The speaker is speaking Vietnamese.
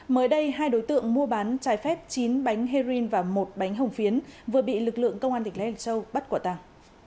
mới đây hai đối tượng mua bán trái phép chín bánh herring và một bánh hồng phiến vừa bị lực lượng công an tỉnh lai châu bắt quả tăng